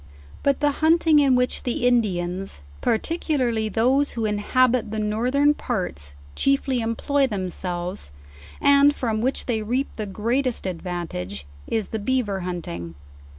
But the hunting in which the Indians, particularly those who inhabit the northern parts, chiefly employ themselves, and from which they reap the greatest advantage, is the bea ver hunting.